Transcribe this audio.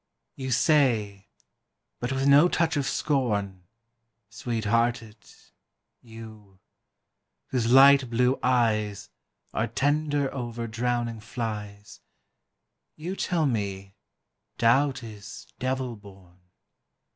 You say, but with no touch of scorn, Sweet hearted, you, whose light blue eyes Are tender over drowning flies, You tell me, doubt is Devil born.